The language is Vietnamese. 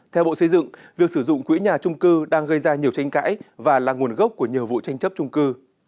theo bộ xây dựng việc sử dụng quỹ nhà trung cư đang gây ra nhiều tranh cãi và là nguồn gốc của nhiều vụ tranh chấp trung cư